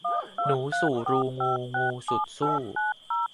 หนูสู่รูงูงู สุดสู้